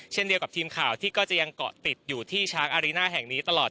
เช่นเดียวกับทีมข่าวที่ก็จะยังเกาะติดอยู่ที่ช้างอารีน่าแห่งนี้ตลอด